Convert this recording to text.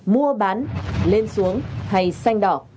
mua bán lên xuống hay xanh đỏ